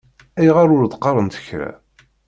Ayɣer ur d-qqaṛent kra?